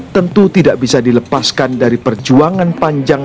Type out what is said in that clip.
tentu tidak bisa dilepaskan dari perjuangan panjang